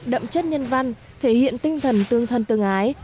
đậm chất nhân văn thể hiện tinh thần tương thân tương ái